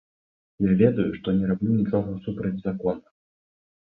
Я ведаю, што не раблю нічога супрацьзаконнага.